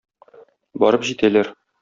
Барып җитәләр.